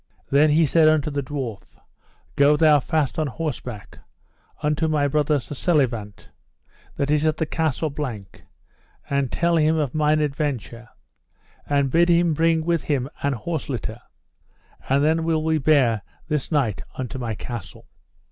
Then he said unto the dwarf: Go thou fast on horseback, unto my brother Sir Selivant, that is at the Castle Blank, and tell him of mine adventure, and bid him bring with him an horse litter, and then will we bear this knight unto my castle.